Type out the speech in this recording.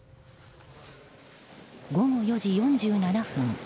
午後４時４７分。